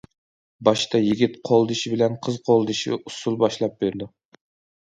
باشتا يىگىت قولدىشى بىلەن قىز قولدىشى ئۇسسۇل باشلاپ بېرىدۇ.